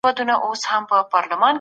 خپل استعدادونه به په سمه لاره مصرفوئ.